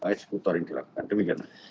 eskutor yang dilakukan demikian